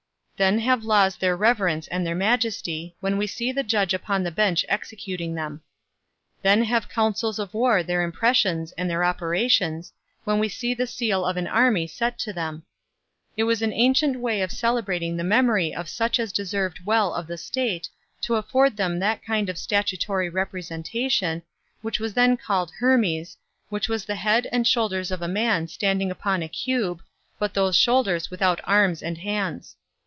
Then have laws their reverence and their majesty, when we see the judge upon the bench executing them. Then have counsels of war their impressions and their operations, when we see the seal of an army set to them. It was an ancient way of celebrating the memory of such as deserved well of the state, to afford them that kind of statuary representation, which was then called Hermes, which was the head and shoulders of a man standing upon a cube, but those shoulders without arms and hands.